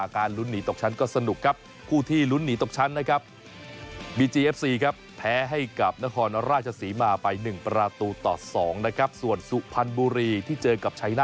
คู่นี้ก็มีผลในเรื่องครับ